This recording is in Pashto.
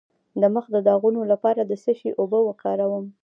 د مخ د داغونو لپاره د څه شي اوبه وکاروم؟